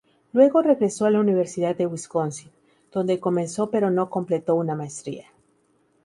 Luego regresó a la Universidad de Wisconsin, donde comenzó pero no completó una maestría.